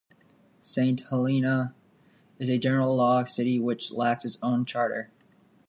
Saint Helena is a general law city which lacks its own charter.